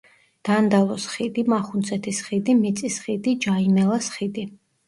დანდალოს ხიდი, მახუნცეთის ხიდი, მიწის ხიდი, ჯაიმელას ხიდი.